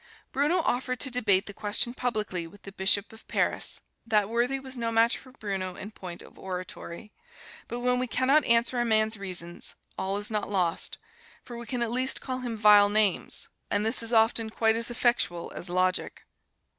Bruno offered to debate the question publicly with the Bishop of Paris. That worthy was no match for Bruno in point of oratory, but when we can not answer a man's reasons, all is not lost, for we can at least call him vile names, and this is often quite as effectual as logic.